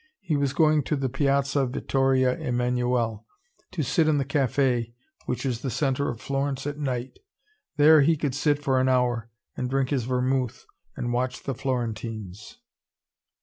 He was going to the Piazza Vittoria Emmanuele, to sit in the cafe which is the centre of Florence at night. There he could sit for an hour, and drink his vermouth and watch the Florentines.